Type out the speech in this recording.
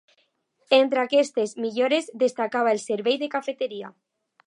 Entre aquestes millores destacava el servei de cafeteria.